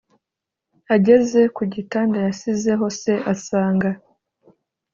ageze kugitanda yasizeho se asanga.